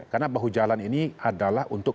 karena bahu jalan ini adalah untuk